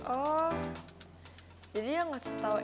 oh jadi yang ngasih tau